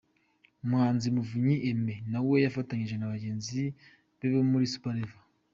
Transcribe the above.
Umuhanzi Muvunyi Aimée nawe yafatanyije na bagenzi be bo muri Super Level.